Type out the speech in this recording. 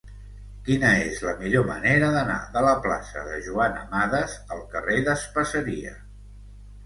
Quina és la millor manera d'anar de la plaça de Joan Amades al carrer d'Espaseria?